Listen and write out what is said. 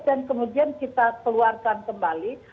dan kemudian kita keluarkan kembali